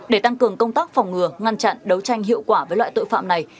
để tăng cường công tác phòng ngừa ngăn chặn đấu tranh hiệu quả với loại tội phạm này